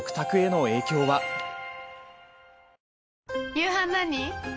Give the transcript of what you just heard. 夕飯何？